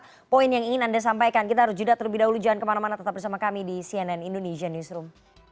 ada poin yang ingin anda sampaikan kita harus jeda terlebih dahulu jangan kemana mana tetap bersama kami di cnn indonesia newsroom